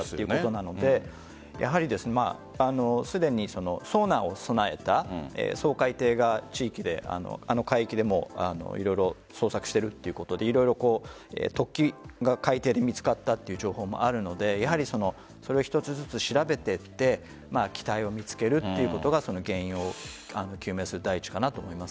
なので、すでにソナーを備えた掃海艇があの海域でも色々捜索しているということで突起が海底で見つかったという情報もあるのでそれを一つずつ調べていって機体を見つけるということが原因を究明することが第一かなと思います。